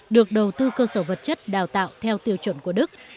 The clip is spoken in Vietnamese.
được đầu tư cơ sở vật chất đào tạo theo tiêu chuẩn của đức